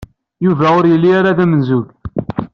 Yuba ur yelli ara d amenzug.